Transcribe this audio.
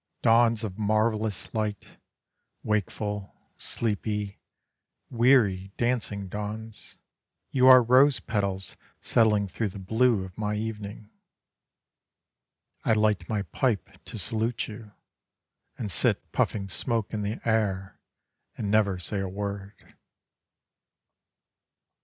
Dawns of marvellous light, wakeful, sleepy, weary, dancing dawns, You are rose petals settling through the blue of my evening: I light my pipe to salute you, And sit puffing smoke in the air and never say a word.